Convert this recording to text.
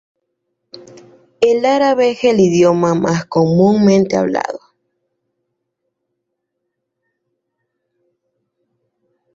El árabe es el idioma más comúnmente hablado.